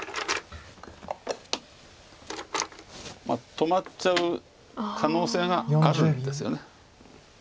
止まっちゃう可能性があるんですよね。